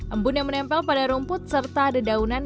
embun yang menempel pada rumput serta dedaunan dan berbunyi